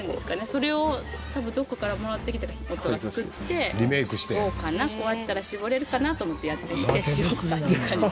それを多分どこかからもらってきて夫が作って「どうかな？こうやったら搾れるかな？」と思ってやってみて搾ったっていう感じです。